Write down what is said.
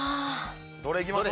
どれいきます？